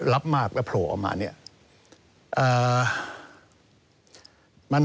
รับมากและโผล่ออกมา